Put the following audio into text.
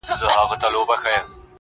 راتلو کي به معیوبه زموږ ټوله جامعه وي,